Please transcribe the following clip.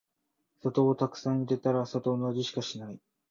砂糖をたくさん入れたら砂糖の味しかしない